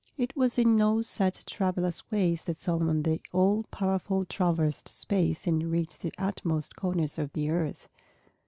It was in no such troublous ways that Solomon the all powerful traversed space and reached the uttermost corners of the earth.